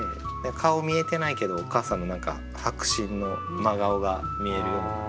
顔見えてないけどお母さんの何か迫真の真顔が見えるような。